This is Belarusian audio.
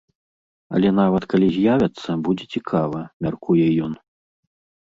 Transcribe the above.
Але нават калі з'явяцца, будзе цікава, мяркуе ён.